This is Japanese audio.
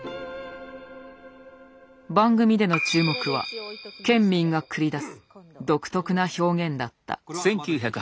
番組での注目は建民が繰り出す独特な表現だった。